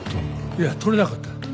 いや取れなかった。